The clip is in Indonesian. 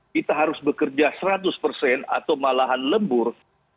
kita harus bekerja seratus persen atau malahan lembur